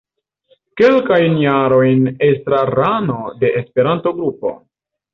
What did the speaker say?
Kelkajn jarojn estrarano de Esperanto-Grupo.